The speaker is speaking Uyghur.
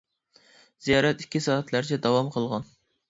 زىيارەت ئىككى سائەتلەرچە داۋام قىلغان .